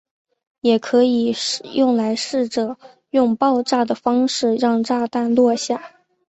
也可以用来试着用爆炸的方式让炸弹下落。